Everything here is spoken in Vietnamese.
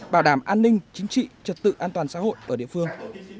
bảo đảm an ninh chính trị trật tự an toàn xã hội ở địa phương